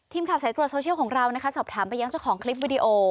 สายตรวจโซเชียลของเรานะคะสอบถามไปยังเจ้าของคลิปวิดีโอ